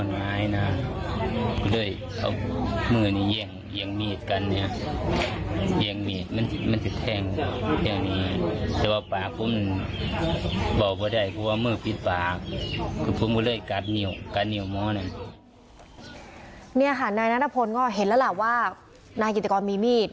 นาน่ะพนธ์ก็เห็นแล้วล่ะว่านายกิตติกรมีมือ